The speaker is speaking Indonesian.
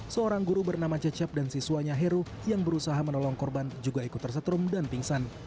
seorang guru bernama cecep dan siswanya heru yang berusaha menolong korban juga ikut tersetrum dan pingsan